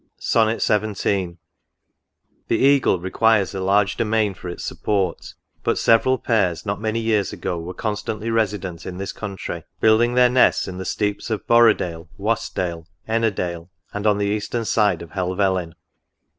Sonnet XVII. The Eagle requires a large domain for its support ; but several pairs, not many years ago, were constantly resident in this country, building their nests in the steeps of Borrow dale, Wastdale, Ennerdale, and on the eastern side of Helvellyn.